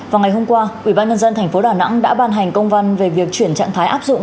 vào ngày hôm qua ubnd tp đà nẵng đã ban hành công văn về việc chuyển trạng thái áp dụng